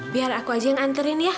biar aku aja yang anterin ya